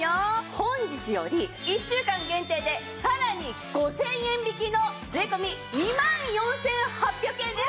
本日より１週間限定でさらに５０００円引きの税込２万４８００円です。